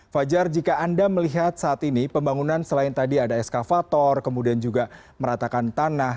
fajar jika anda melihat saat ini pembangunan selain tadi ada eskavator kemudian juga meratakan tanah